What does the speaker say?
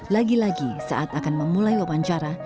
lagi lagi saat akan memulai wawancara